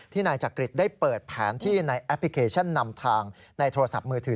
นายจักริตได้เปิดแผนที่ในแอปพลิเคชันนำทางในโทรศัพท์มือถือ